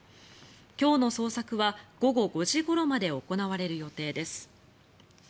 今日の捜索は午後５時ごろまで行われる予定です。